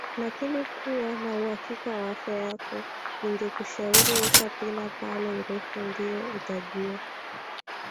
lakini kuwa na uhakika wa afya yako ningekushauri weka pina pale urefu ndio utajua